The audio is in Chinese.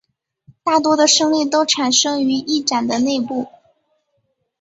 大多的升力都产生于翼展的内部。